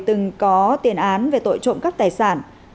từng có tiện án về tội trộm các tài sản